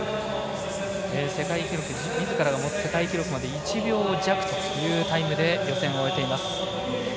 みずからが持つ世界記録まで１秒弱というタイムで予選を終えています。